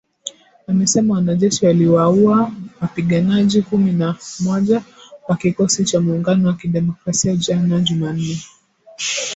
Amesema wanajeshi waliwaua wapiganaji kumi na moja wa Kikosi cha Muungano wa Kidemokrasia jana Jumanne.